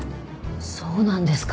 そうなんですか！